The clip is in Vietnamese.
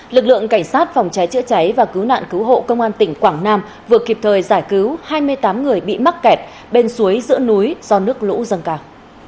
lực lượng cảnh sát phòng cháy chữa cháy và cứu nạn cứu hộ công an tỉnh quảng nam vừa kịp thời giải cứu hai mươi tám người bị mắc kẹt bên suối giữa núi do nước lũ dâng cao